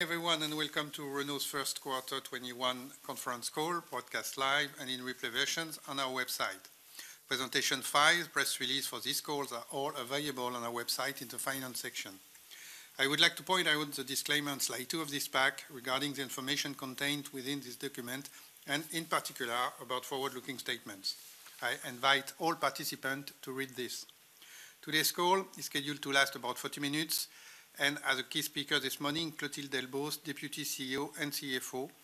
Everyone, welcome to Renault's first quarter 2021 conference call, broadcast live and in replay versions on our website. Presentation files, press release for these calls are all available on our website in the finance section. I would like to point out the disclaimers, slide two of this pack, regarding the information contained within this document, and in particular, about forward-looking statements. I invite all participants to read this. Today's call is scheduled to last about 40 minutes. As a key speaker this morning, Clotilde Delbos, Deputy Chief Executive Officer and Chief Financial Officer.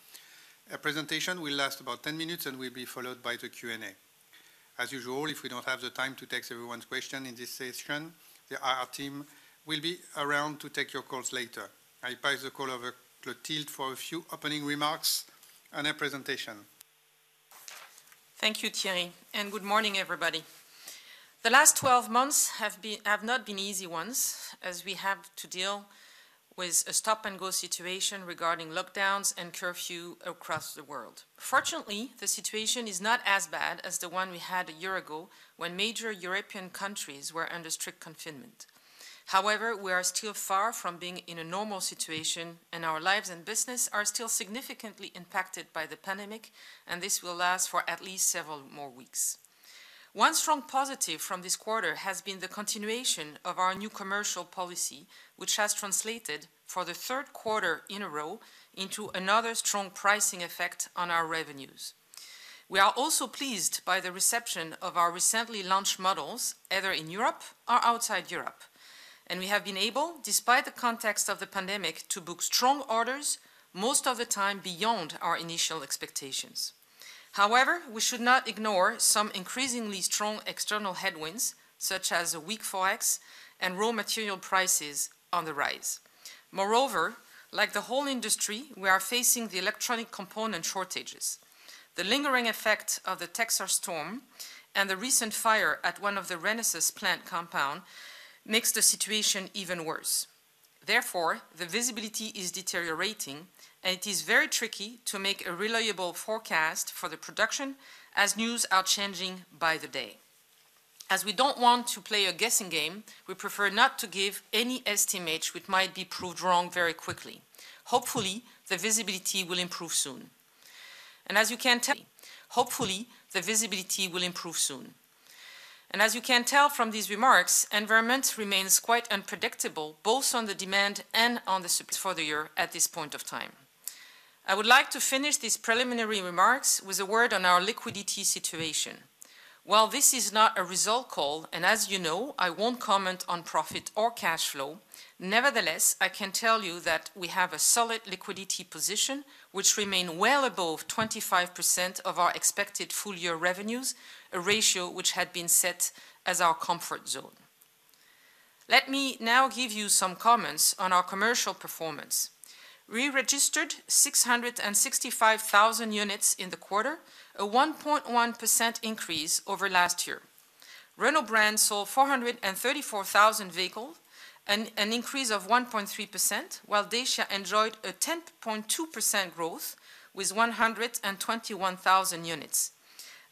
Her presentation will last about 10 minutes and will be followed by the Q&A. As usual, if we don't have the time to take everyone's question in this session, the HR team will be around to take your calls later. I pass the call over to Clotilde for a few opening remarks and her presentation. Thank you, Thierry, and good morning, everybody. The last 12 months have not been easy ones, as we have to deal with a stop-and-go situation regarding lockdowns and curfew across the world. Fortunately, the situation is not as bad as the one we had a year ago, when major European countries were under strict confinement. However, we are still far from being in a normal situation, and our lives and business are still significantly impacted by the pandemic, and this will last for at least several more weeks. One strong positive from this quarter has been the continuation of our new commercial policy, which has translated, for the third quarter in a row, into another strong pricing effect on our revenues. We are also pleased by the reception of our recently launched models, either in Europe or outside Europe. We have been able, despite the context of the pandemic, to book strong orders, most of the time beyond our initial expectations. However, we should not ignore some increasingly strong external headwinds, such as weak Forex and raw material prices on the rise. Moreover, like the whole industry, we are facing the electronic component shortages. The lingering effect of the Texas storm and the recent fire at one of the Renesas plant compound makes the situation even worse. Therefore, the visibility is deteriorating, and it is very tricky to make a reliable forecast for the production as news are changing by the day. As we don't want to play a guessing game, we prefer not to give any estimate which might be proved wrong very quickly. Hopefully, the visibility will improve soon. As you can tell from these remarks, environment remains quite unpredictable, both on the demand and on the supply for the year at this point of time. I would like to finish these preliminary remarks with a word on our liquidity situation. While this is not a result call, as you know, I won't comment on profit or cash flow, nevertheless, I can tell you that we have a solid liquidity position, which remain well above 25% of our expected full year revenues, a ratio which had been set as our comfort zone. Let me now give you some comments on our commercial performance. We registered 665,000 units in the quarter, a 1.1% increase over last year. Renault brand sold 434,000 vehicle, an increase of 1.3%, while Dacia enjoyed a 10.2% growth with 121,000 units.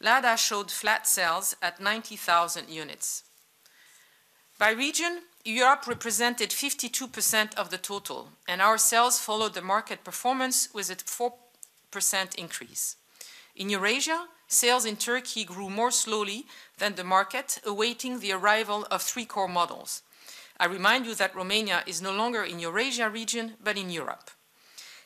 Lada showed flat sales at 90,000 units. By region, Europe represented 52% of the total, and our sales followed the market performance with a 4% increase. In Eurasia, sales in Turkey grew more slowly than the market, awaiting the arrival of three core models. I remind you that Romania is no longer in Eurasia region, but in Europe.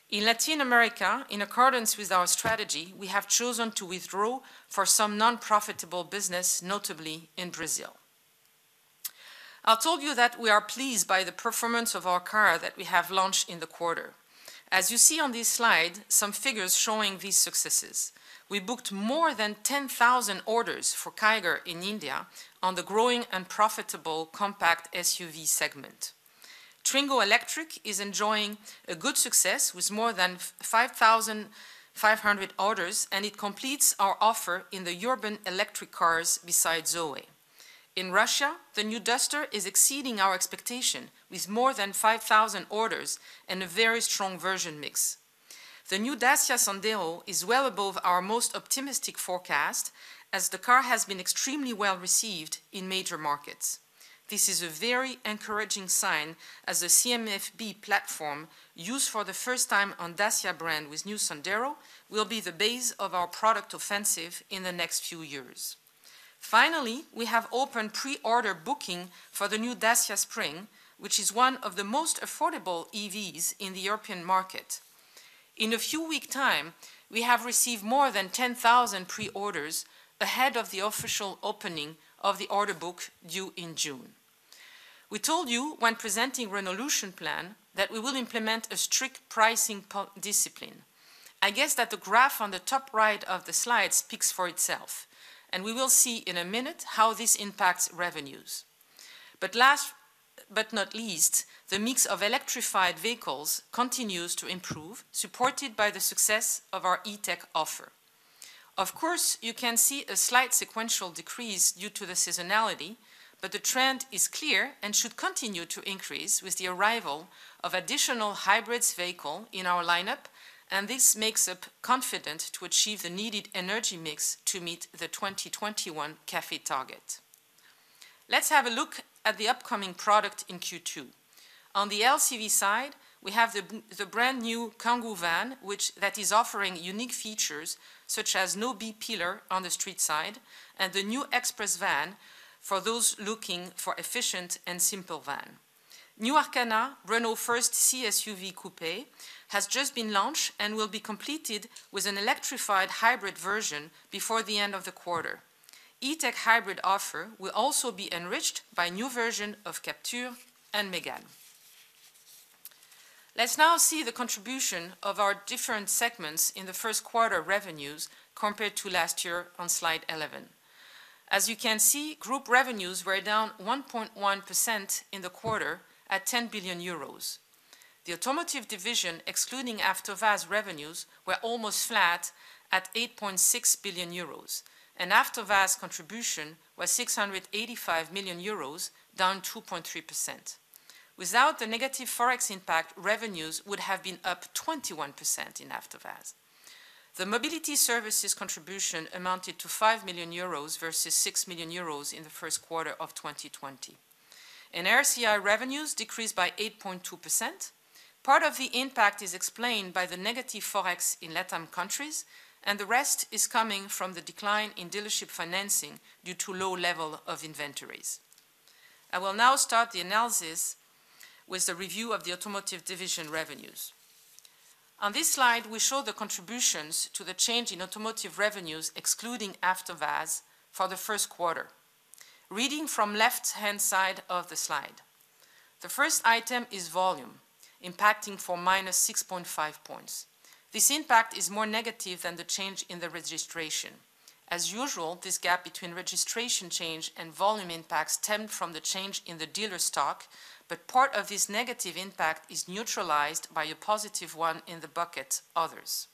In Latin America, in accordance with our strategy, we have chosen to withdraw for some non-profitable business, notably in Brazil. I told you that we are pleased by the performance of our car that we have launched in the quarter. As you see on this slide, some figures showing these successes. We booked more than 10,000 orders for Kiger in India on the growing and profitable compact SUV segment. Twingo Electric is enjoying a good success with more than 5,500 orders, and it completes our offer in the urban electric cars besides Zoe. In Russia, the new Duster is exceeding our expectation with more than 5,000 orders and a very strong version mix. The new Dacia Sandero is well above our most optimistic forecast, as the car has been extremely well-received in major markets. This is a very encouraging sign, as the CMF-B platform, used for the first time on Dacia brand with new Sandero, will be the base of our product offensive in the next few years. Finally, we have opened pre-order booking for the new Dacia Spring, which is one of the most affordable EVs in the European market. In a few week time, we have received more than 10,000 pre-orders ahead of the official opening of the order book due in June. We told you when presenting Renaulution plan that we will implement a strict pricing discipline. I guess that the graph on the top right of the slide speaks for itself, and we will see in a minute how this impacts revenues. Last but not least, the mix of electrified vehicles continues to improve, supported by the success of our E-TECH offer. Of course, you can see a slight sequential decrease due to the seasonality, but the trend is clear and should continue to increase with the arrival of additional hybrids vehicle in our lineup, and this makes up confident to achieve the needed energy mix to meet the 2021 CAFE target. Let's have a look at the upcoming product in Q2. On the LCV side, we have the brand new Kangoo van, that is offering unique features such as No B pillar on the sliding side and the new Express van for those looking for efficient and simple van. New Arkana, Renault first C-SUV coupe, has just been launched and will be completed with an electrified hybrid version before the end of the quarter. E-TECH hybrid offer will also be enriched by new version of Captur and Megane. Let's now see the contribution of our different segments in the first quarter revenues compared to last year on slide 11. As you can see, group revenues were down 1.1% in the quarter at 10 billion euros. The automotive division, excluding AvtoVAZ revenues, were almost flat at 8.6 billion euros, and AvtoVAZ contribution was 685 million euros, down 2.3%. Without the negative Forex impact, revenues would have been up 21% in AvtoVAZ. The mobility services contribution amounted to 5 million euros versus 6 million euros in the first quarter of 2020. RCI revenues decreased by 8.2%. Part of the impact is explained by the negative Forex in LatAm countries, and the rest is coming from the decline in dealership financing due to low level of inventories. I will now start the analysis with the review of the automotive division revenues. On this slide, we show the contributions to the change in automotive revenues excluding AvtoVAZ for the first quarter. Reading from left-hand side of the slide. The first item is volume, impacting for - 6.5 points. This impact is more negative than the change in the registration. As usual, this gap between registration change and volume impacts stemmed from the change in the dealer stock, but part of this negative impact is neutralized by a positive one in the bucket, others.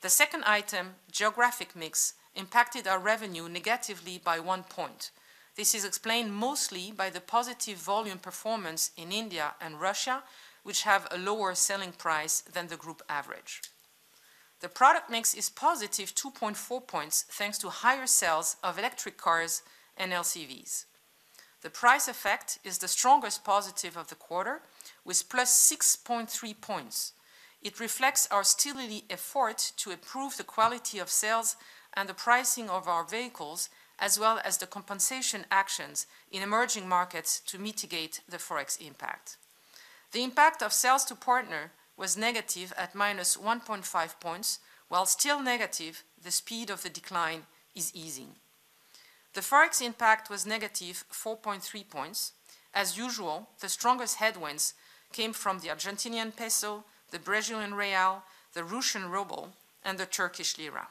The second item, geographic mix, impacted our revenue negatively by one point. This is explained mostly by the positive volume performance in India and Russia, which have a lower selling price than the group average. The product mix is positive 2.4 points, thanks to higher sales of electric cars and LCVs. The price effect is the strongest positive of the quarter, with +6.3 points. It reflects our steely effort to improve the quality of sales and the pricing of our vehicles, as well as the compensation actions in emerging markets to mitigate the Forex impact. The impact of sales to partner was negative at -1.5 points, while still negative, the speed of the decline is easing. The Forex impact was -4.3 points. As usual, the strongest headwinds came from the Argentinian peso, the Brazilian real, the Russian ruble, and the Turkish lira.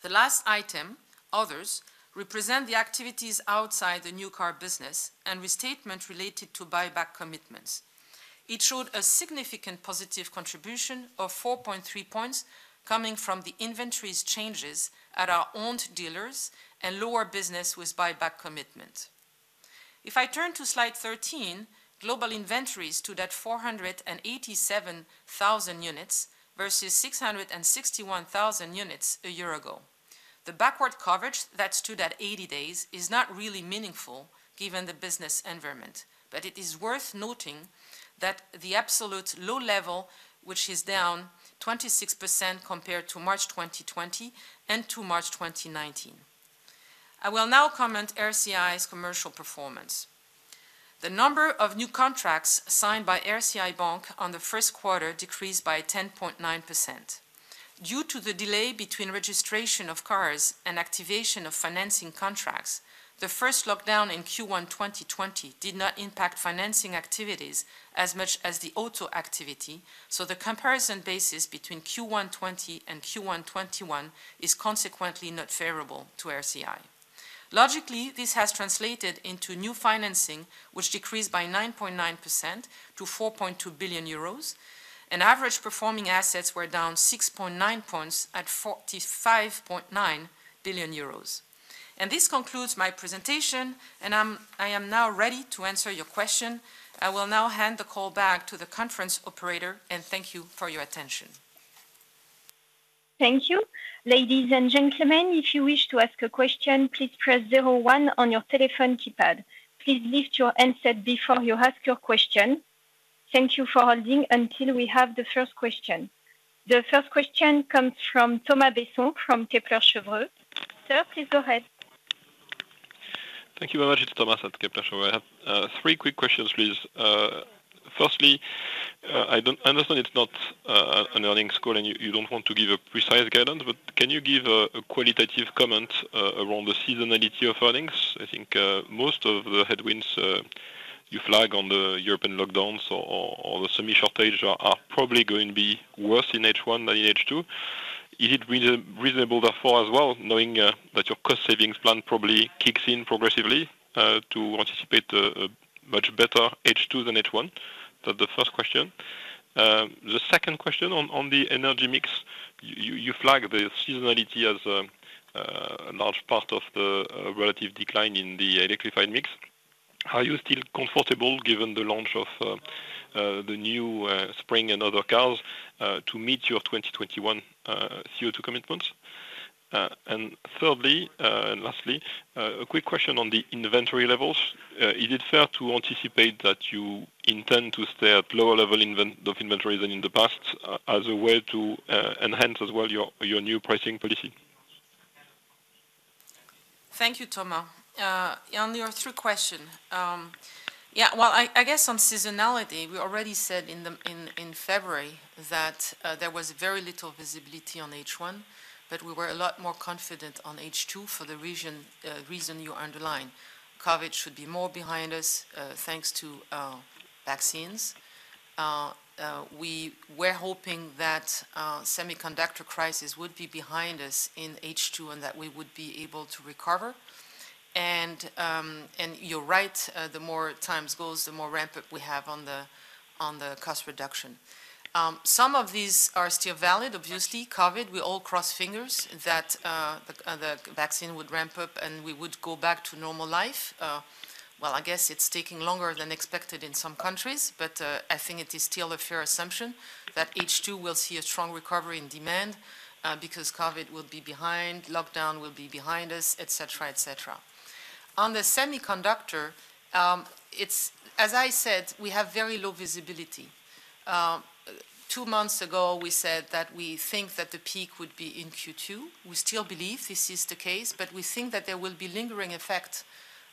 The last item, others, represent the activities outside the new car business and restatement related to buyback commitments. It showed a significant positive contribution of 4.3 points coming from the inventories changes at our owned dealers and lower business with buyback commitment. I turn to slide 13, global inventories stood at 487,000 units versus 661,000 units a year ago. The backward coverage that stood at 80 days is not really meaningful given the business environment. It is worth noting that the absolute low level, which is down 26% compared to March 2020 and to March 2019. I will now comment RCI Banque's commercial performance. The number of new contracts signed by RCI Banque on the first quarter decreased by 10.9%. Due to the delay between registration of cars and activation of financing contracts, the first lockdown in Q1 2020 did not impact financing activities as much as the auto activity. The comparison basis between Q1 2020 and Q1 2021 is consequently not favorable to RCI. Logically, this has translated into new financing, which decreased by 9.9% to 4.2 billion euros. Average performing assets were down 6.9 points at 45.9 billion euros. This concludes my presentation. I am now ready to answer your question. I will now hand the call back to the conference operator. Thank you for your attention. Thank you. Ladies and gentlemen, if you wish to ask a question, please press zero one on your telephone keypad. Please lift your handset before you ask your question. Thank you for holding until we have the first question. The first question comes from Thomas Besson from Kepler Cheuvreux. Sir, please go ahead. Thank you very much. It's Thomas at Kepler Cheuvreux. I have three quick questions, please. Firstly, I understand it's not an earnings call and you don't want to give a precise guidance, but can you give a qualitative comment around the seasonality of earnings? I think most of the headwinds you flag on the European lockdowns or the semi shortage are probably going to be worse in H1 than in H2. Is it reasonable, therefore, as well, knowing that your cost savings plan probably kicks in progressively, to anticipate a much better H2 than H1? That the first question. The second question on the energy mix. You flag the seasonality as a large part of the relative decline in the electrified mix. Are you still comfortable, given the launch of the new Spring and other cars, to meet your 2021 CO2 commitments? Thirdly, and lastly, a quick question on the inventory levels. Is it fair to anticipate that you intend to stay at lower level of inventory than in the past as a way to enhance as well your new pricing policy? Thank you, Thomas. On your three question. I guess on seasonality, we already said in February that there was very little visibility on H1, but we were a lot more confident on H2 for the reason you underlined. COVID should be more behind us, thanks to vaccines. We were hoping that semiconductor crisis would be behind us in H2, and that we would be able to recover. You're right, the more times goes, the more ramp-up we have on the cost reduction. Some of these are still valid. Obviously, COVID, we all cross fingers that the vaccine would ramp up, and we would go back to normal life. Well, I guess it's taking longer than expected in some countries, but I think it is still a fair assumption that H2 will see a strong recovery in demand, because COVID will be behind, lockdown will be behind us, et cetera. On the semiconductor, as I said, we have very low visibility. Two months ago, we said that we think that the peak would be in Q2. We still believe this is the case. We think that there will be lingering effect,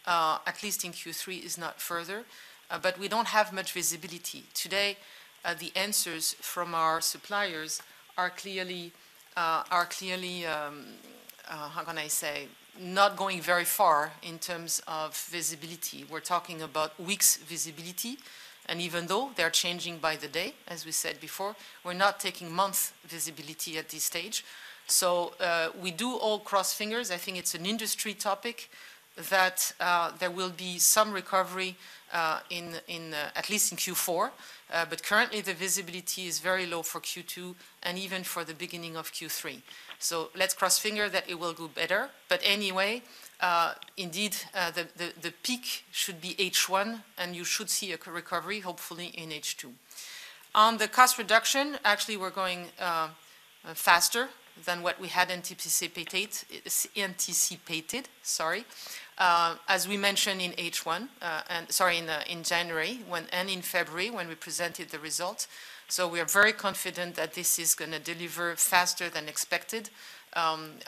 at least in Q3, if not further. We don't have much visibility. Today, the answers from our suppliers are clearly, how can I say, not going very far in terms of visibility. We're talking about weeks visibility, and even though they're changing by the day, as we said before, we're not taking month visibility at this stage. We do all cross fingers. I think it's an industry topic that there will be some recovery at least in Q4. Currently, the visibility is very low for Q2 and even for the beginning of Q3. Let's cross finger that it will go better. Anyway, indeed, the peak should be H1, and you should see a recovery, hopefully, in H2. On the cost reduction, actually, we're going faster than what we had anticipated. As we mentioned in January and in February, when we presented the results. We are very confident that this is going to deliver faster than expected in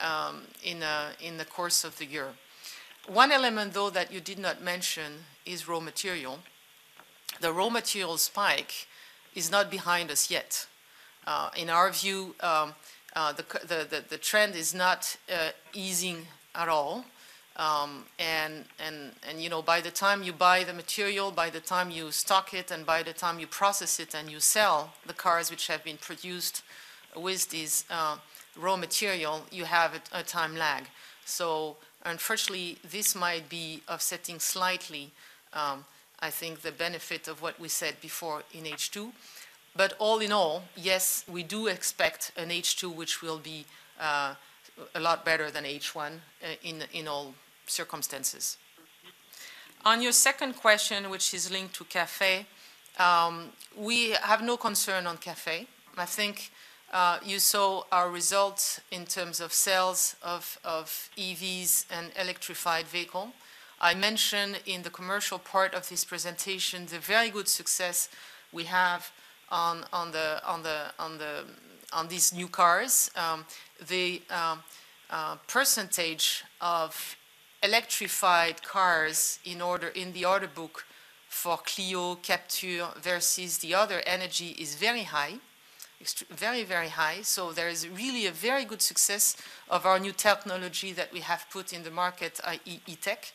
the course of the year. One element, though, that you did not mention is raw material. The raw material spike is not behind us yet. In our view, the trend is not easing at all. By the time you buy the material, by the time you stock it, and by the time you process it and you sell the cars which have been produced with these raw material, you have a time lag. Unfortunately, this might be offsetting slightly, I think, the benefit of what we said before in H2. All in all, yes, we do expect an H2 which will be a lot better than H1 in all circumstances. On your second question, which is linked to CAFE, we have no concern on CAFE. I think you saw our results in terms of sales of EVs and electrified vehicle. I mentioned in the commercial part of this presentation, the very good success we have on these new cars. The percentage of electrified cars in the order book for Clio, Captur versus the other energy is very high. Very, very high. There is really a very good success of our new technology that we have put in the market, i.e., E-TECH.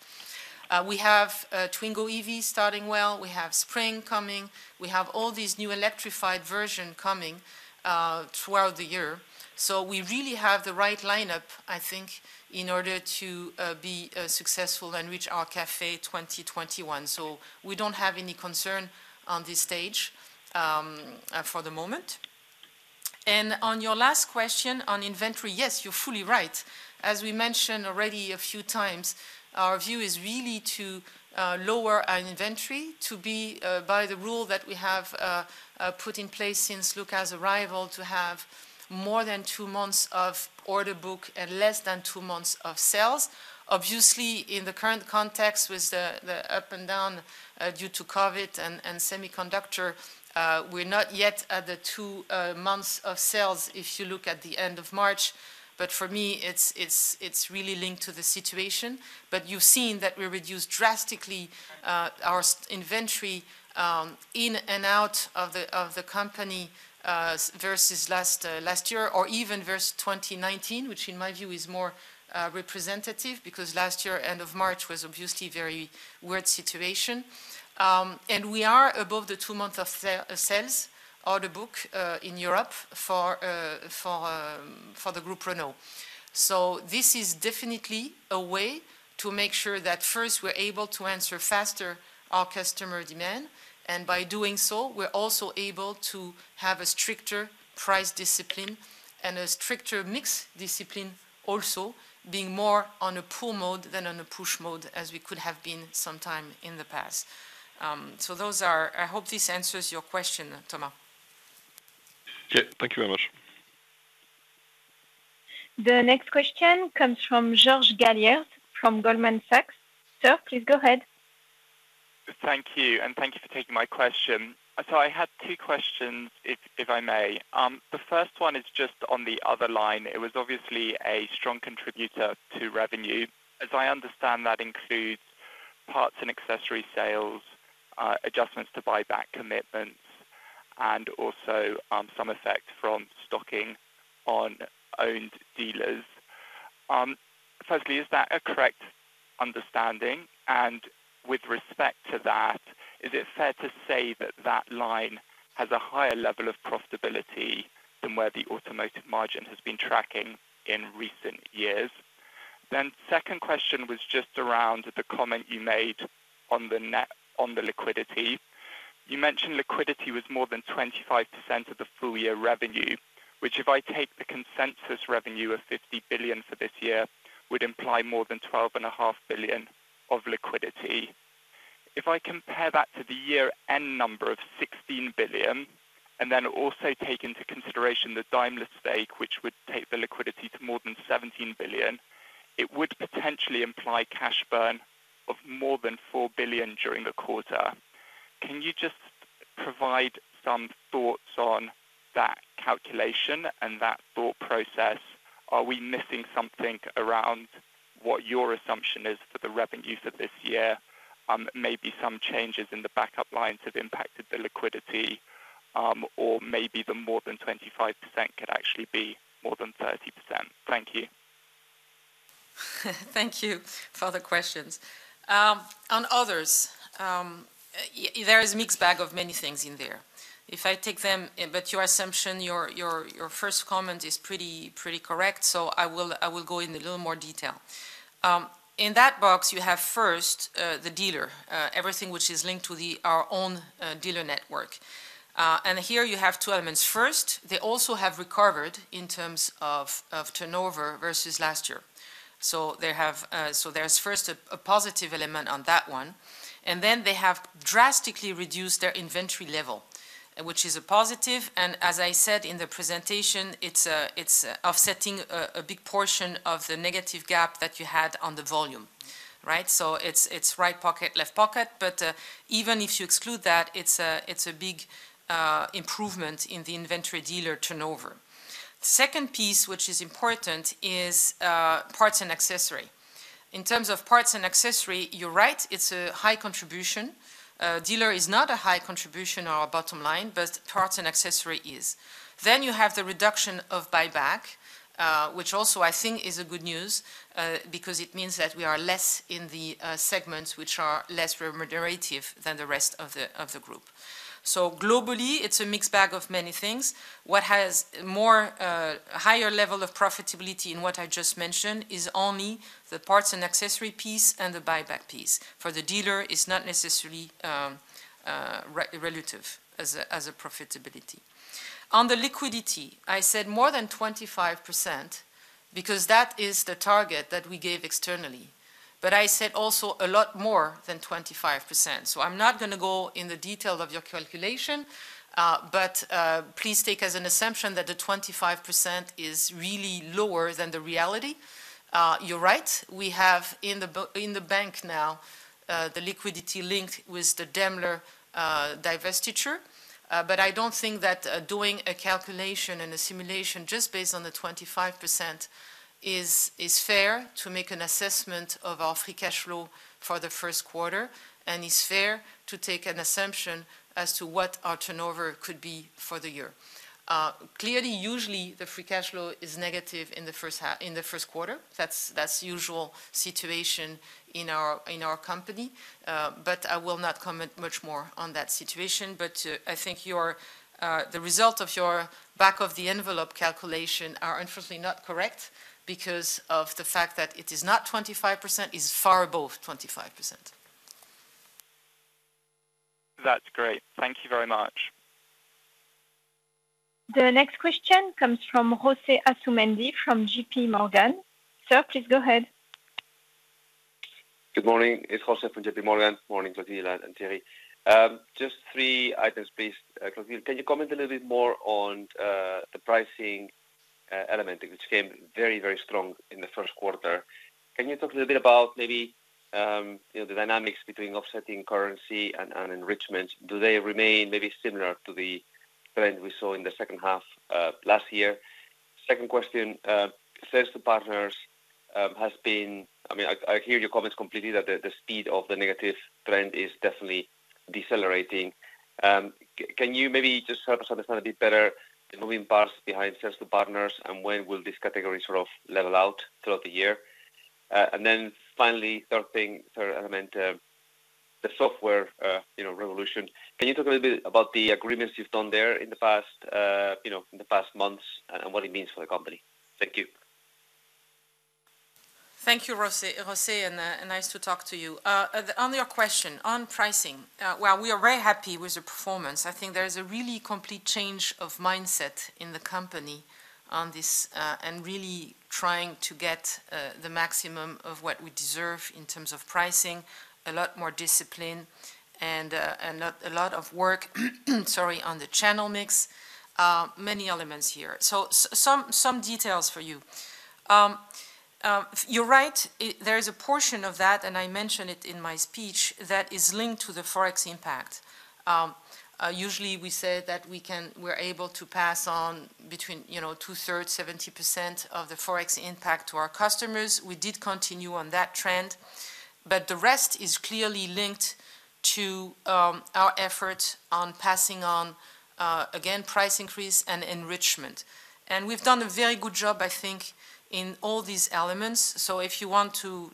We have Twingo EV starting well. We have Spring coming. We have all these new electrified versions coming throughout the year. We really have the right lineup, I think, in order to be successful and reach our CAFE 2021. We don't have any concern on this stage for the moment. On your last question on inventory, yes, you're fully right. As we mentioned already a few times, our view is really to lower our inventory to be by the rule that we have put in place since Luca's arrival, to have more than two months of order book and less than two months of sales. Obviously, in the current context, with the up and down due to COVID and semiconductor, we're not yet at the two months of sales if you look at the end of March. For me, it's really linked to the situation. You've seen that we reduced drastically our inventory in and out of the company versus last year, or even versus 2019, which in my view is more representative, because last year, end of March was obviously very weird situation. We are above the two months of sales order book in Europe for the Renault Group. This is definitely a way to make sure that first, we're able to answer faster our customer demand. By doing so, we're also able to have a stricter price discipline and a stricter mix discipline also, being more on a pull mode than on a push mode as we could have been some time in the past. I hope this answers your question, Thomas. Okay. Thank you very much. The next question comes from George Galliers from Goldman Sachs. Sir, please go ahead. Thank you. Thank you for taking my question. I had two questions, if I may. The first one is just on the other line. It was obviously a strong contributor to revenue. As I understand, that includes parts and accessory sales, adjustments to buyback commitments, and also some effect from stocking on owned dealers. Firstly, is that a correct understanding? With respect to that, is it fair to say that that line has a higher level of profitability than where the automotive margin has been tracking in recent years? Second question was just around the comment you made on the liquidity. You mentioned liquidity was more than 25% of the full-year revenue, which, if I take the consensus revenue of 50 billion for this year, would imply more than 12.5 billion of liquidity. If I compare that to the year-end number of 16 billion, then also take into consideration the Daimler stake, which would take the liquidity to more than 17 billion, it would potentially imply cash burn of more than 4 billion during the quarter. Can you just provide some thoughts on that calculation and that thought process? Are we missing something around what your assumption is for the revenues of this year? Maybe some changes in the backup lines have impacted the liquidity, or maybe the more than 25% could actually be more than 30%. Thank you. Thank you for the questions. On others, there is a mixed bag of many things in there. Your assumption, your first comment is pretty correct. I will go in a little more detail. In that box, you have first, the dealer, everything which is linked to our own dealer network. Here you have two elements. First, they also have recovered in terms of turnover versus last year. There is first a positive element on that one, and then they have drastically reduced their inventory level, which is a positive, and as I said in the presentation, it is offsetting a big portion of the negative gap that you had on the volume. Right? It is right pocket, left pocket. Even if you exclude that, it is a big improvement in the inventory dealer turnover. Second piece, which is important, is parts and accessory. In terms of parts and accessory, you're right, it's a high contribution. Dealer is not a high contribution on our bottom line, but parts and accessory is. You have the reduction of buyback, which also I think is a good news, because it means that we are less in the segments which are less remunerative than the rest of the group. Globally, it's a mixed bag of many things. What has more higher level of profitability in what I just mentioned is only the parts and accessory piece and the buyback piece. For the dealer, it's not necessarily relative as a profitability. On the liquidity, I said more than 25%, because that is the target that we gave externally. I said also a lot more than 25%. I'm not going to go in the detail of your calculation, please take as an assumption that the 25% is really lower than the reality. You're right, we have in the bank now, the liquidity linked with the Daimler divestiture. I don't think that doing a calculation and a simulation just based on the 25% is fair to make an assessment of our free cash flow for the first quarter and is fair to take an assumption as to what our turnover could be for the year. Clearly, usually, the free cash flow is negative in the first quarter. That's usual situation in our company. I will not comment much more on that situation. I think the result of your back of the envelope calculation are unfortunately not correct because of the fact that it is not 25%, it's far above 25%. That's great. Thank you very much. The next question comes from José Asumendi, from JPMorgan. Sir, please go ahead. Good morning. It's José from JPMorgan. Morning, Clotilde and Thierry. Just three items, please. Clotilde, can you comment a little bit more on the pricing element, which came very strong in the first quarter? Can you talk a little bit about maybe the dynamics between offsetting currency and enrichments? Do they remain maybe similar to the trend we saw in the second half last year? Second question. Sales to partners has been, I hear your comments completely that the speed of the negative trend is definitely decelerating. Can you maybe just help us understand a bit better the moving parts behind sales to partners and when will this category sort of level out throughout the year? Finally, third thing, third element, the Software République. Can you talk a little bit about the agreements you've done there in the past months and what it means for the company? Thank you. Thank you, José. Nice to talk to you. On your question on pricing, well, we are very happy with the performance. I think there is a really complete change of mindset the company on this, really trying to get the maximum of what we deserve in terms of pricing, a lot more discipline, a lot of work on the channel mix. Many elements here. Some details for you. You're right. There is a portion of that, I mentioned it in my speech, that is linked to the Forex impact. Usually, we say that we're able to pass on between two-thirds, 70% of the Forex impact to our customers. We did continue on that trend, the rest is clearly linked to our effort on passing on, again, price increase and enrichment. We've done a very good job, I think, in all these elements. If you want to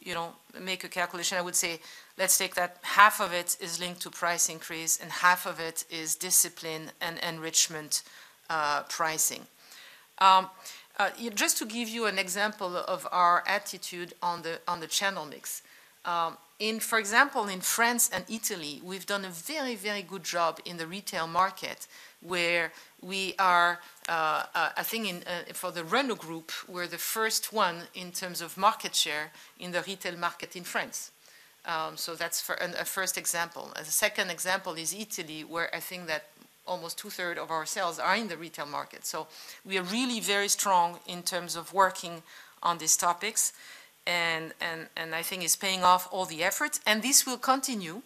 make a calculation, I would say let's take that half of it is linked to price increase, and half of it is discipline and enrichment pricing. To give you an example of our attitude on the channel mix. For example, in France and Italy, we've done a very good job in the retail market, where we are, I think, for the Renault Group, we're the first one in terms of market share in the retail market in France. That's a first example. A second example is Italy, where I think that almost 2/3 of our sales are in the retail market. We are really very strong in terms of working on these topics, and I think it's paying off all the effort. This will continue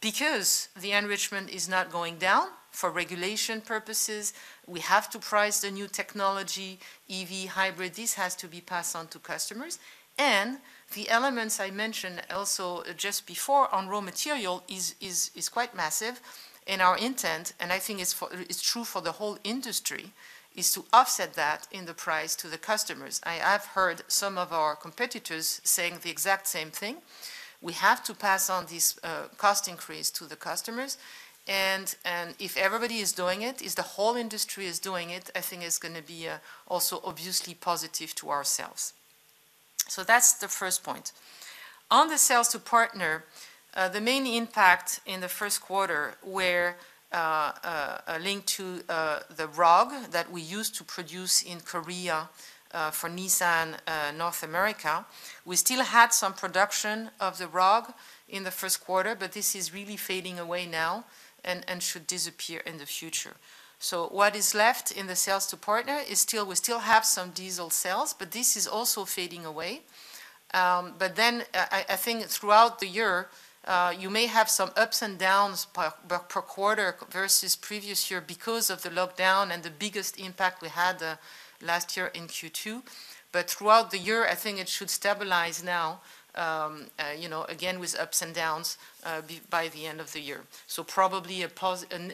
because the enrichment is not going down. For regulation purposes, we have to price the new technology, EV hybrid. This has to be passed on to customers. The elements I mentioned also just before on raw material is quite massive, and our intent, and I think it's true for the whole industry, is to offset that in the price to the customers. I have heard some of our competitors saying the exact same thing. We have to pass on this cost increase to the customers, and if everybody is doing it, if the whole industry is doing it, I think it's going to be also obviously positive to ourselves. That's the first point. On the sales to partner, the main impact in the first quarter were linked to the Rogue that we used to produce in Korea for Nissan North America. We still had some production of the Rogue in the first quarter, but this is really fading away now and should disappear in the future. What is left in the sales to partner is we still have some diesel sales, but this is also fading away. I think throughout the year, you may have some ups and downs per quarter versus previous year because of the lockdown and the biggest impact we had last year in Q2. Throughout the year, I think it should stabilize now, again, with ups and downs by the end of the year. Probably a positive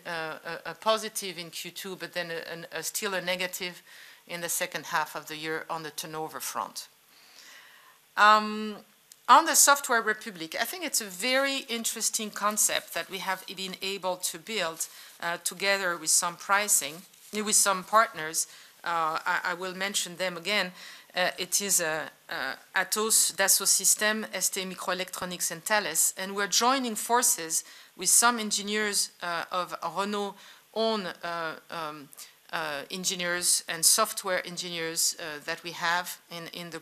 in Q2, but then still a negative in the second half of the year on the turnover front. On the Software République, I think it's a very interesting concept that we have been able to build together with some partners. I will mention them again. It is Atos, Dassault Systèmes, STMicroelectronics and Thales, we're joining forces with some engineers of Renault own engineers and software engineers that we have in the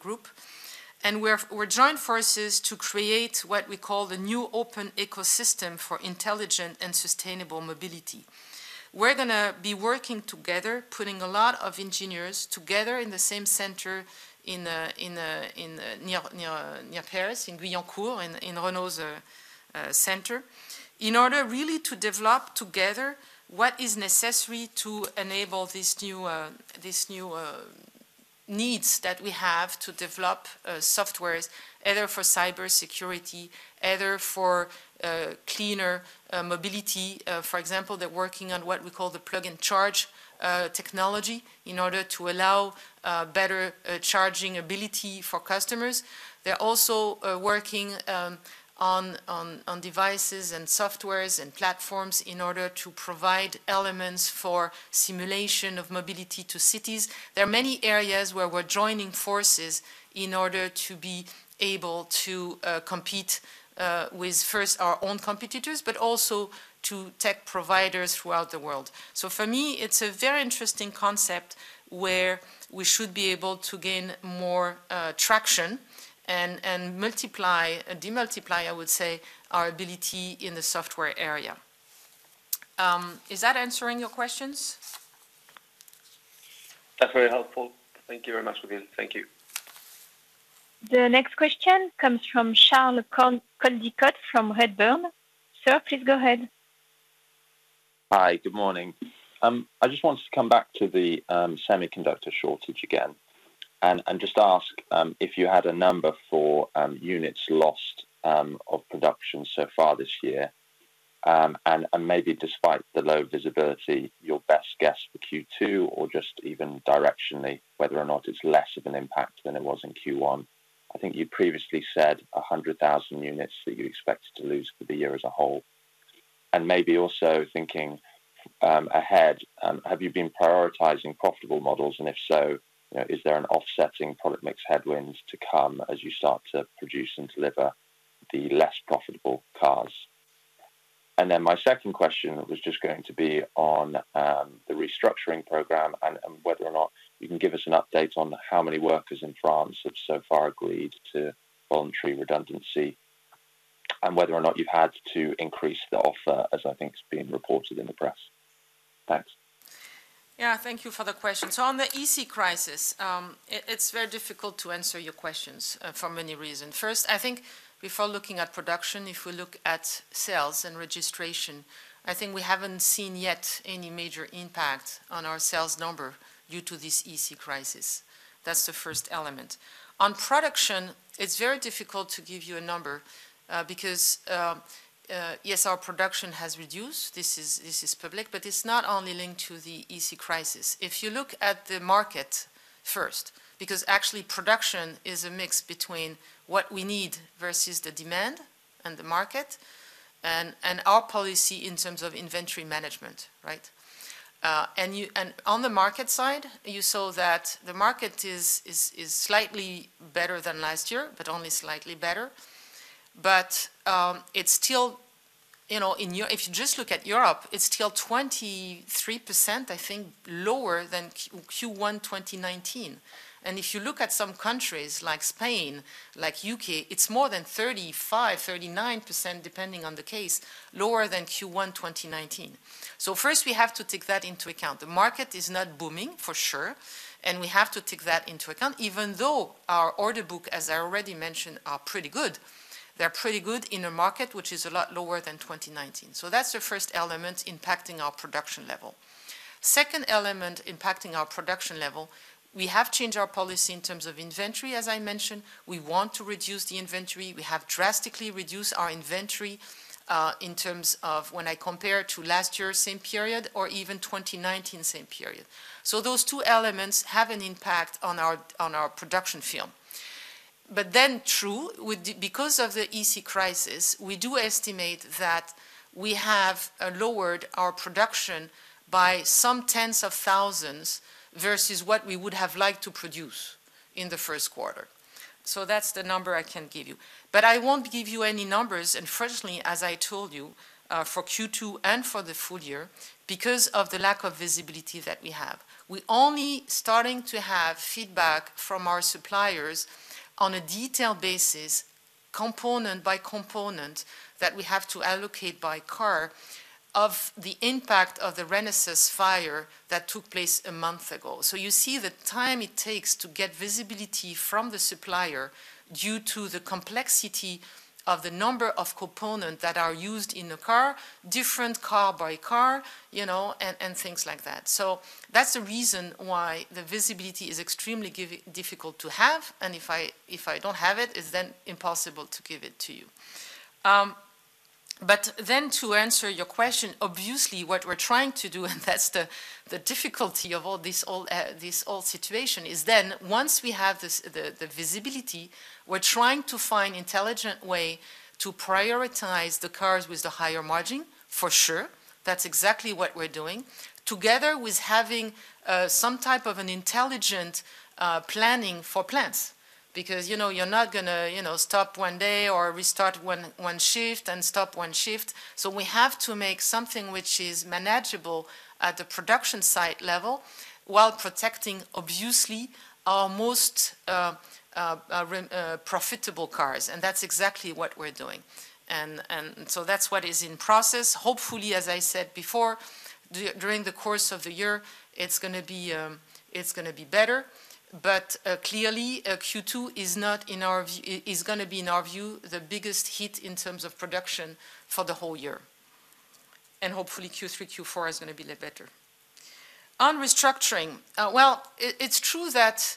group. We're joined forces to create what we call the new open ecosystem for intelligent and sustainable mobility. We're going to be working together, putting a lot of engineers together in the same center near Paris, in Guyancourt, in Renault's center, in order really to develop together what is necessary to enable these new needs that we have to develop software, either for cybersecurity, either for cleaner mobility. For example, they're working on what we call the Plug and Charge technology in order to allow better charging ability for customers. They're also working on devices and softwares and platforms in order to provide elements for simulation of mobility to cities. There are many areas where we're joining forces in order to be able to compete with, first, our own competitors, but also to tech providers throughout the world. For me, it's a very interesting concept where we should be able to gain more traction and demultiply, I would say, our ability in the software area. Is that answering your questions? That's very helpful. Thank you very much, Thank you. The next question comes from Charles Coldicott from Redburn. Sir, please go ahead. Hi, good morning. I just wanted to come back to the semiconductor shortage again and just ask if you had a number for units lost of production so far this year, and maybe despite the low visibility, your best guess for Q2 or just even directionally whether or not it's less of an impact than it was in Q1. I think you previously said 100,000 units that you expected to lose for the year as a whole. Maybe also thinking ahead, have you been prioritizing profitable models, and if so, is there an offsetting product mix headwinds to come as you start to produce and deliver the less profitable cars? My second question was just going to be on the restructuring program and whether or not you can give us an update on how many workers in France have so far agreed to voluntary redundancy, and whether or not you've had to increase the offer, as I think has been reported in the press. Thanks. Yeah, thank you for the question. On the EC crisis, it's very difficult to answer your questions for many reasons. First, I think before looking at production, if we look at sales and registration, I think we haven't seen yet any major impact on our sales number due to this EC crisis. That's the first element. On production, it's very difficult to give you a number, because, yes, our production has reduced, this is public, but it's not only linked to the EC crisis. If you look at the market first, because actually production is a mix between what we need versus the demand and the market, and our policy in terms of inventory management. Right? On the market side, you saw that the market is slightly better than last year, but only slightly better. If you just look at Europe, it's still 23%, I think, lower than Q1 2019. If you look at some countries like Spain, like U.K. it's more than 35%, 39%, depending on the case, lower than Q1 2019. First, we have to take that into account. The market is not booming, for sure, and we have to take that into account, even though our order book, as I already mentioned, are pretty good. They're pretty good in a market which is a lot lower than 2019. That's the first element impacting our production level. Second element impacting our production level, we have changed our policy in terms of inventory, as I mentioned. We want to reduce the inventory. We have drastically reduced our inventory, in terms of when I compare to last year same period or even 2019 same period. Those two elements have an impact on our production field. True, because of the electronic components crisis, we do estimate that we have lowered our production by some tens of thousands versus what we would have liked to produce in the first quarter. That's the number I can give you. I won't give you any numbers, unfortunately, as I told you, for Q2 and for the full year, because of the lack of visibility that we have. We're only starting to have feedback from our suppliers on a detailed basis, component by component, that we have to allocate by car, of the impact of the Renesas fire that took place a month ago. You see the time it takes to get visibility from the supplier due to the complexity of the number of components that are used in a car, different car by car, and things like that. That's the reason why the visibility is extremely difficult to have, and if I don't have it's then impossible to give it to you. To answer your question, obviously, what we're trying to do, and that's the difficulty of this whole situation, is then once we have the visibility, we're trying to find intelligent way to prioritize the cars with the higher margin, for sure. That's exactly what we're doing. Together with having some type of an intelligent planning for plants, because you're not going to stop one day or restart one shift and stop one shift. We have to make something which is manageable at the production site level while protecting, obviously, our most profitable cars, and that's exactly what we're doing. That's what is in process. Hopefully, as I said before, during the course of the year, it's going to be better. Clearly, Q2 is going to be, in our view, the biggest hit in terms of production for the whole year. Hopefully, Q3, Q4 is going to be a little better. On restructuring, well, it's true that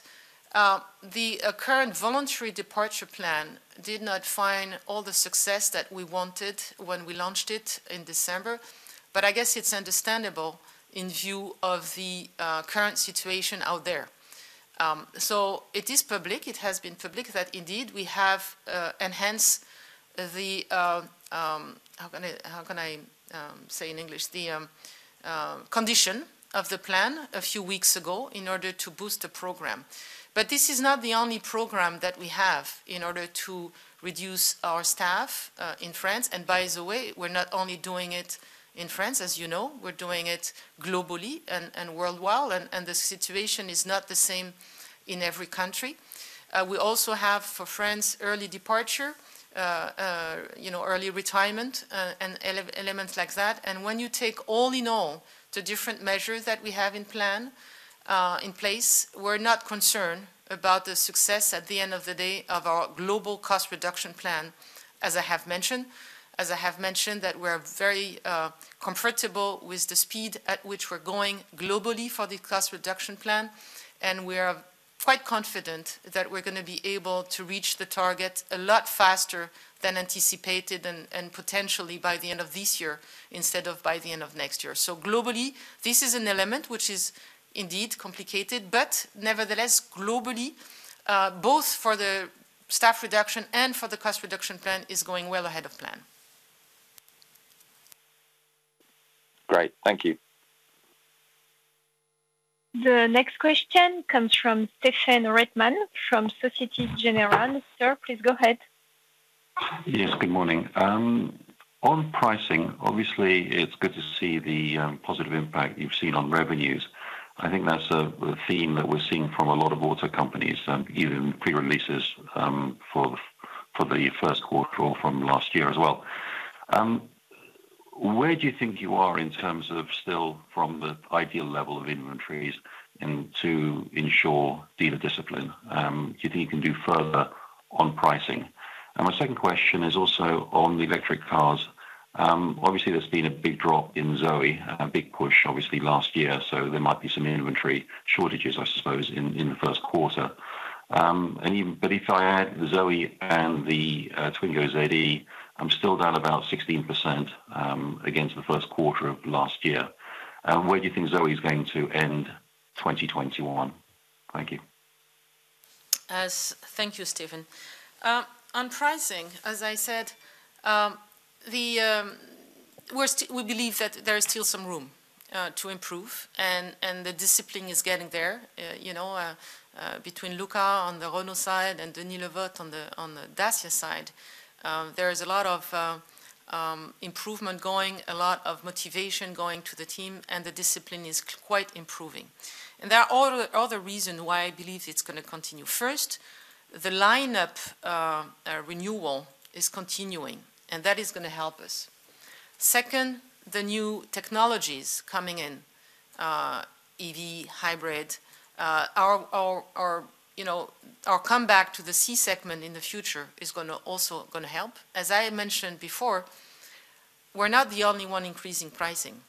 the current voluntary departure plan did not find all the success that we wanted when we launched it in December, but I guess it's understandable in view of the current situation out there. It is public, it has been public that indeed we have enhanced the, how can I say in English, the condition of the plan a few weeks ago in order to boost the program. This is not the only program that we have in order to reduce our staff in France. By the way, we're not only doing it in France, as you know. We're doing it globally and worldwide, and the situation is not the same in every country. We also have, for France, early departure, early retirement, and elements like that. When you take all in all the different measures that we have in plan, in place, we're not concerned about the success at the end of the day of our global cost reduction plan, as I have mentioned. As I have mentioned, that we're very comfortable with the speed at which we're going globally for the cost reduction plan, and we're quite confident that we're going to be able to reach the target a lot faster than anticipated and potentially by the end of this year instead of by the end of next year. Globally, this is an element which is indeed complicated, but nevertheless, globally, both for the staff reduction and for the cost reduction plan, is going well ahead of plan. Great. Thank you. The next question comes from Stephen Reitman from Societe Generale. Sir, please go ahead. Yes, good morning. On pricing, obviously it's good to see the positive impact you've seen on revenues. I think that's a theme that we're seeing from a lot of auto companies, even pre-releases, for the first quarter or from last year as well. Where do you think you are in terms of still from the ideal level of inventories and to ensure dealer discipline? Do you think you can do further on pricing? My second question is also on the electric cars. Obviously, there's been a big drop in Zoe, a big push obviously last year, so there might be some inventory shortages, I suppose, in the first quarter. If I add the Zoe and the Twingo Z.E. I'm still down about 16%, against the first quarter of last year. Where do you think Zoe's going to end 2021? Thank you. Thank you, Stephen. On pricing, as I said, we believe that there is still some room to improve, and the discipline is getting there. Between Luca on the Renault side and Denis Le Vot on the Dacia side, there is a lot of improvement going, a lot of motivation going to the team, and the discipline is quite improving. There are other reasons why I believe it's going to continue. First, the lineup renewal is continuing, and that is going to help us. Second, the new technologies coming in, EV, hybrid, our comeback to the C segment in the future is also going to help. As I had mentioned before, we're not the only one increasing pricing.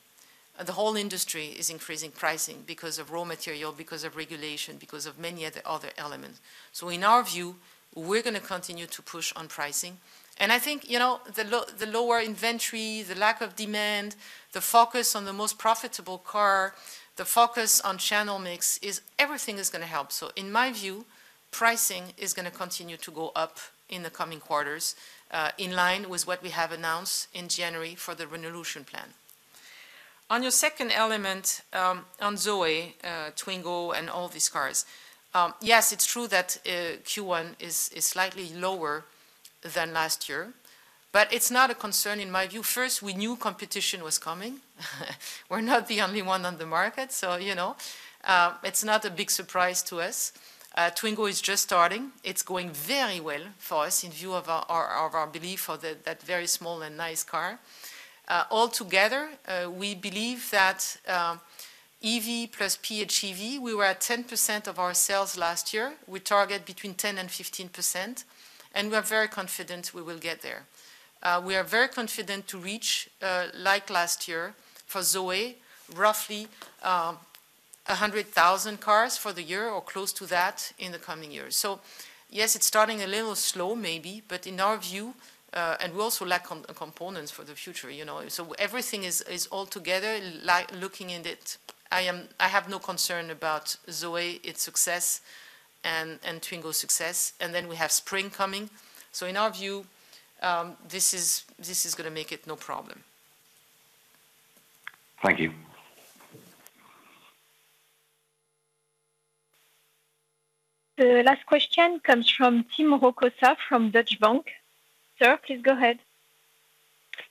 The whole industry is increasing pricing because of raw material, because of regulation, because of many other elements. In our view, we're going to continue to push on pricing. I think, the lower inventory, the lack of demand, the focus on the most profitable car, the focus on channel mix, everything is going to help. In my view, pricing is going to continue to go up in the coming quarters, in line with what we have announced in January for the Renaulution plan. On your second element, on Zoe, Twingo, and all these cars. It's true that Q1 is slightly lower than last year, but it's not a concern in my view. First, we knew competition was coming. We're not the only one on the market, so it's not a big surprise to us. Twingo is just starting. It's going very well for us in view of our belief of that very small and nice car. Altogether, we believe that EV plus PHEV, we were at 10% of our sales last year. We target between 10% and 15%, and we're very confident we will get there. We are very confident to reach, like last year, for Zoe, roughly 100,000 cars for the year or close to that in the coming year. Yes, it's starting a little slow maybe, but in our view, and we also lack on components for the future. Everything is altogether, looking at it, I have no concern about Zoe, its success, and Twingo's success. Then we have Spring coming. In our view, this is going to make it no problem. Thank you. The last question comes from Tim Rokossa from Deutsche Bank. Sir, please go ahead.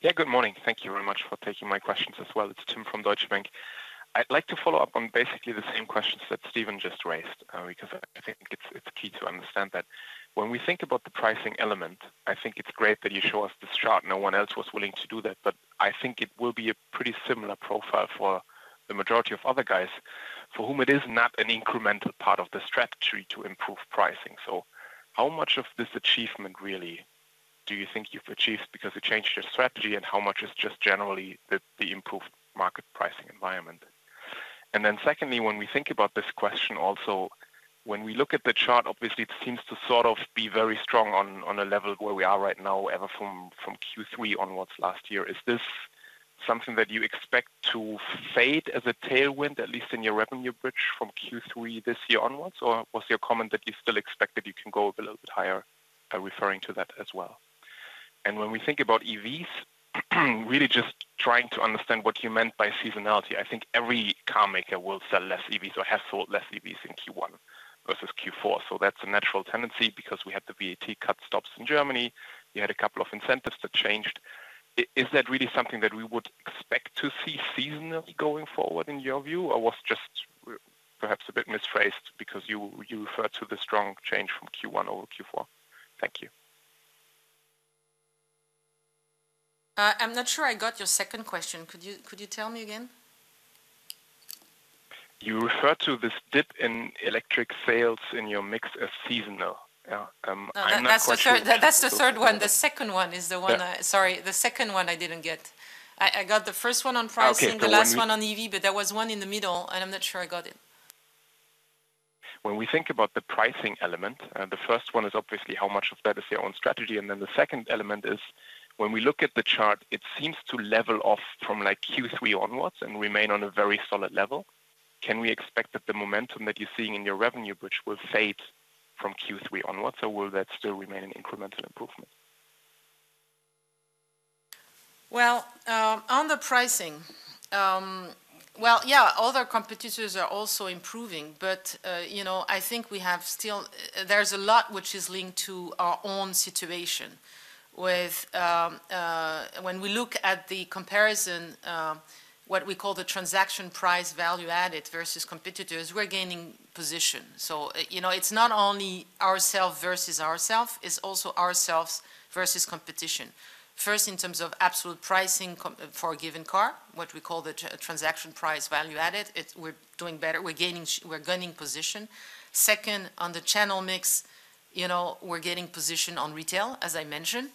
Good morning. Thank you very much for taking my questions as well. It's Tim from Deutsche Bank. I'd like to follow up on basically the same questions that Stephen just raised, because I think it's key to understand that when we think about the pricing element, I think it's great that you show us this chart. No one else was willing to do that. I think it will be a pretty similar profile for the majority of other guys for whom it is not an incremental part of the strategy to improve pricing. How much of this achievement really do you think you've achieved because you changed your strategy, and how much is just generally the improved market pricing environment? Secondly, when we think about this question also, when we look at the chart, obviously, it seems to sort of be very strong on a level where we are right now, ever from Q3 onwards last year. Is this something that you expect to fade as a tailwind, at least in your revenue bridge from Q3 this year onwards? Was your comment that you still expect that you can go up a little bit higher, referring to that as well? When we think about EVs, really just trying to understand what you meant by seasonality. I think every carmaker will sell less EVs or has sold less EVs in Q1 versus Q4. That's a natural tendency because we had the VAT cut stops in Germany. You had a couple of incentives that changed. Is that really something that we would expect to see seasonally going forward in your view? Was just perhaps a bit misplaced because you referred to the strong change from Q1 over Q4? Thank you. I'm not sure I got your second question. Could you tell me again? You referred to this dip in electric sales in your mix as seasonal, yeah? No, that's the third one. The second one I didn't get. I got the first one on pricing. The last one on EV, but there was one in the middle, and I'm not sure I got it. When we think about the pricing element, the first one is obviously how much of that is your own strategy, and then the second element is when we look at the chart, it seems to level off from Q3 onwards and remain on a very solid level. Can we expect that the momentum that you're seeing in your revenue, which will fade from Q3 onwards, or will that still remain an incremental improvement? On the pricing, other competitors are also improving, but I think there's a lot which is linked to our own situation. When we look at the comparison, what we call the transaction price value added versus competitors, we're gaining position. It's not only ourselves versus ourselves, it's also ourselves versus competition. First, in terms of absolute pricing for a given car, what we call the transaction price value added, we're doing better. We're gaining position. Second, on the channel mix, we're gaining position on retail, as I mentioned.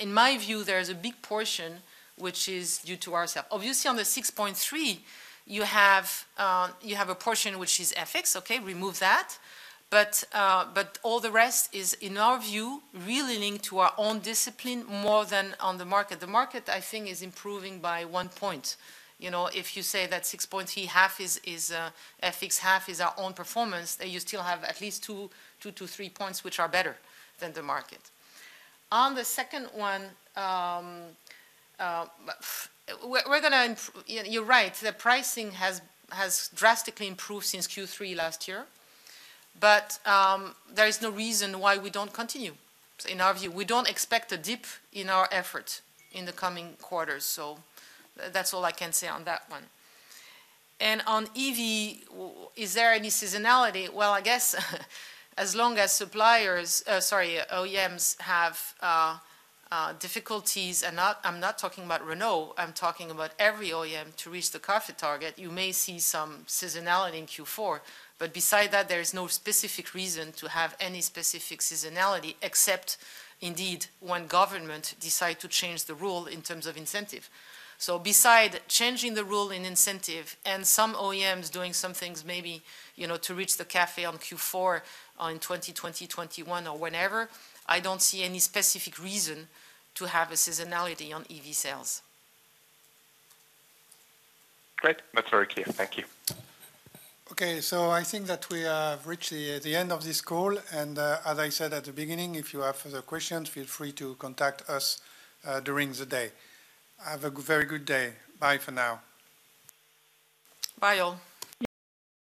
In my view, there is a big portion which is due to ourselves. Obviously, on the 6.3, you have a portion which is FX, okay, remove that, but all the rest is, in our view, really linked to our own discipline more than on the market. The market, I think, is improving by one point. If you say that 6.3, half is FX, half is our own performance, you still have at least 2-3 points which are better than the market. On the second one, you're right, the pricing has drastically improved since Q3 last year. There is no reason why we don't continue. In our view, we don't expect a dip in our effort in the coming quarters. That's all I can say on that one. On EV, is there any seasonality? I guess as long as OEMs have difficulties, and I'm not talking about Renault, I'm talking about every OEM, to reach the CAFE target, you may see some seasonality in Q4 but beside that, there is no specific reason to have any specific seasonality except, indeed, when government decide to change the rule in terms of incentive. Beside changing the rule in incentive and some OEMs doing some things maybe to reach the CAFE on Q4 on 2020, 2021, or whenever, I don't see any specific reason to have a seasonality on EV sales. Great. That's very clear. Thank you. Okay, I think that we have reached the end of this call, as I said at the beginning, if you have further questions, feel free to contact us during the day. Have a very good day. Bye for now. Bye, all.